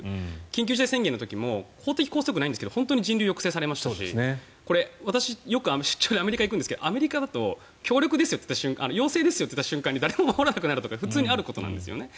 緊急事態宣言の時も法的拘束力はないんですが本当に人流が抑制されましたしこれ、よく出張でアメリカに行くんですけどアメリカだと要請だと言った瞬間に誰も守らなくなるとか普通にあることなんですね。